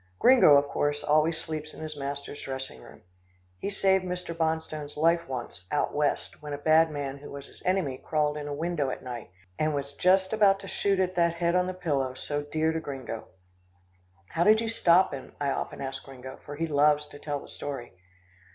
Gringo, of course, always sleeps in his master's dressing room. He saved Mr. Bonstone's life once, out west, when a bad man who was his enemy crawled in a window at night, and was just about to shoot at that head on the pillow so dear to Gringo. "How did you stop him?" I often ask Gringo, for he loves to tell the story.